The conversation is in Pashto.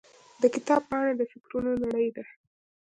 د کتاب پاڼې د فکرونو نړۍ ده.